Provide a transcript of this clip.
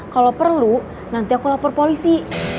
kalau perlu nanti aku lapor polisi